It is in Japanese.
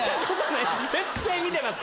絶対見てます。